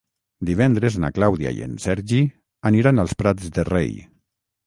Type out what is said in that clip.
Divendres na Clàudia i en Sergi aniran als Prats de Rei.